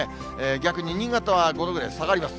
逆に新潟は５度ぐらい下がります。